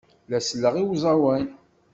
La selleɣ i uẓawan.